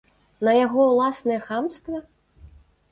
На яго ўласнае хамства?